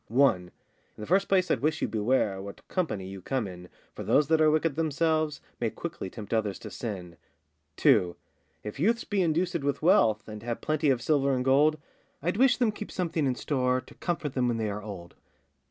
1. I' th' first place I'd wish you beware What company you come in, For those that are wicked themselves May quickly tempt others to sin. 2. If youths be inducèd with wealth, And have plenty of silver and gold, I'd wish them keep something in store, To comfort them when they are old.